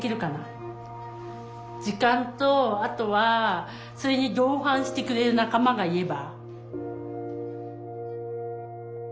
時間とあとはそれに同伴してくれる仲間がいれば。